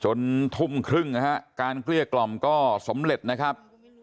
ทุ่มครึ่งนะฮะการเกลี้ยกล่อมก็สำเร็จนะครับ